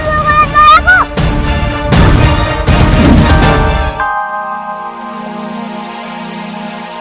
jangan langsung melakukan hal kayak itu